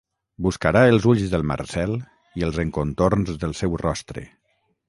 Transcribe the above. Buscarà els ulls del Marcel i els encontorns del seu rostre.